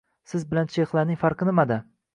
Biz bilan chexlarning farqi nimada?